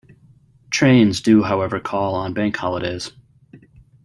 Trains do however call on Bank holidays.